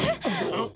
あっ！